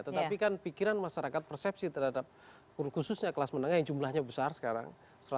tetapi kan pikiran masyarakat persepsi terhadap khususnya kelas menengah yang jumlahnya besar sekarang